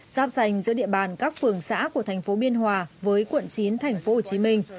giáp danh giữa địa bàn các phường xã của thành phố biên hòa với quận chín thành phố hồ chí minh